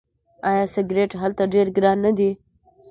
آیا سیګرټ هلته ډیر ګران نه دي؟